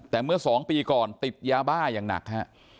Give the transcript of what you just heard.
แต่เมื่อ๒ปีก่อนติดยาบ้าอย่างหนักฮะ